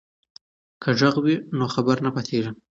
که غږ وي نو خبر نه پاتیږي.